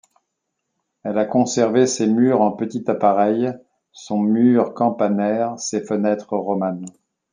Elle a conservé ses murs en petit appareil, son mur campanaire, ses fenêtres romanes.